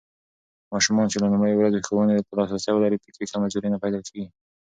ماشومان چې له لومړيو ورځو ښوونې ته لاسرسی ولري، فکري کمزوري نه پيدا کېږي.